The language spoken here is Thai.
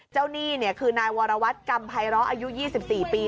เจ้าหนี้เนี่ยคือนายวรวัตกรรมภัยร้ออายุ๒๔ปี